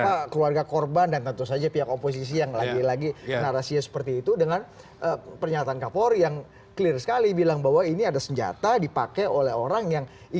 ada keluarga korban dan tentu saja pihak oposisi yang lagi lagi narasinya seperti itu dengan pernyataan kapolri yang clear sekali bilang bahwa ini ada senjata dipakai oleh orang yang